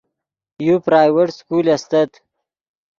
یو پرائیویٹ سکول استت